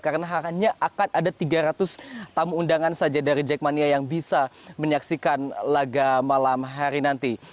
karena hanya akan ada tiga ratus tamu undangan saja dari jakmania yang bisa menyaksikan laga malam hari nanti